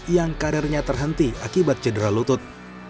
yang karirnya terhenti akibat cedera lutut